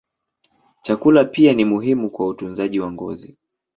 Chakula pia ni muhimu kwa utunzaji wa ngozi.